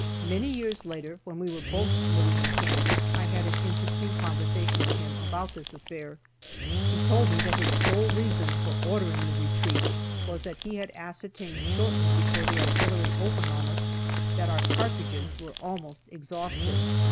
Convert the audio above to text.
Many years later, when we were both living in Kansas, I had an interesting conversation with him about this affair. He told me that his sole reason for ordering the retreat was that he had ascertained shortly before the artillery opened on us, that our cartridges were almost exhausted.